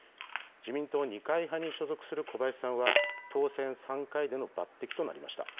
自民党、二階派に所属する小林さんは、当選３回での抜てきとなりました。